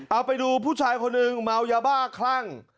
เอาไปดูผู้ชายคนหนึ่งเมายาบ้าคลั่ง